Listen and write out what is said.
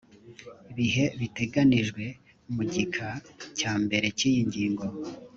bihe biteganijwe mu gika cya mbere cy iyi ngingo